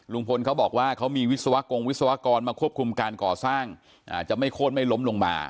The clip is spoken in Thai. เขาบอกว่าเขามีวิศวกรงวิศวกรมาควบคุมการก่อสร้างจะไม่โค้นไม่ล้มลงมา